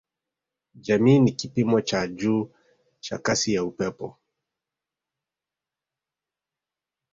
Jamii ni kipimo cha juu cha kasi ya upepo